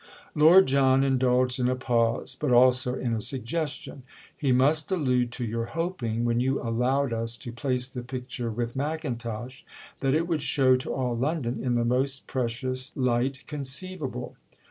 Lord John indulged in a pause—but also in a suggestion. "He must allude to your hoping—when you allowed us to place the picture with Mackintosh—that it would show to all London in the most precious light conceivable."